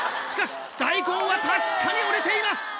しかし大根は確かに折れています！